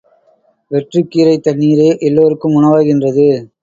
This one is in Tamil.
வெற்றுக்கீரைத் தண்ணீரே எல்லாருக்கும் உணவாகின்றது.